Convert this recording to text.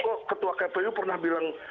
kok ketua kpu pernah bilang